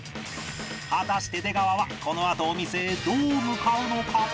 果たして出川はこのあとお店へどう向かうのか？